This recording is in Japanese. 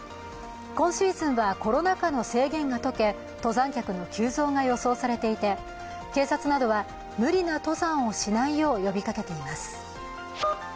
今シーズンはコロナ禍の制限が解け登山客の急増が予想されていて、警察などは、無理な登山をしないよう呼びかけています。